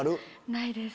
ないです。